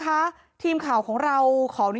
เพราะทนายอันนันชายเดชาบอกว่าจะเป็นการเอาคืนยังไง